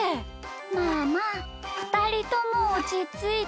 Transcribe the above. まあまあふたりともおちついて。